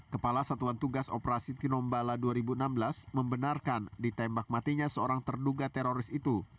kepala satuan tugas operasi tinombala dua ribu enam belas membenarkan ditembak matinya seorang terduga teroris itu